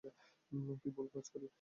কি ভুল কাজ করি?